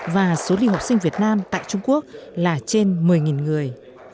và số lưu học sinh việt nam tại trung quốc là trên một mươi người